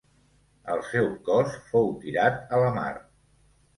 El seu cos fou tirat a la mar.